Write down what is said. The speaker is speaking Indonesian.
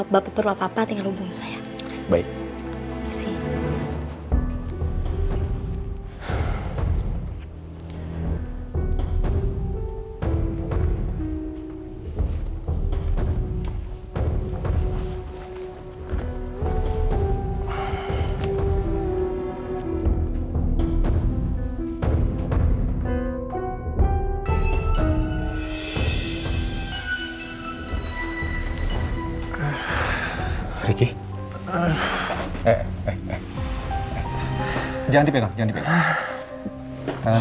kamu jangan nuduh saya sembarangan